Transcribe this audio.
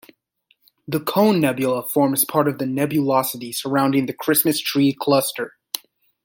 The Cone Nebula forms part of the nebulosity surrounding the Christmas Tree Cluster.